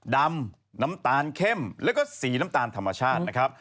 น้ำตาลเข้มแล้วก็สีน้ำตาลธรรมชาตินะครับ